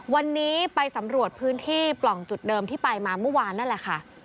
วันนี้ไปสำรวจพื้นที่ปล่องจุดเดิมที่ไปมาเมื่อวานนั่นแหละค่ะ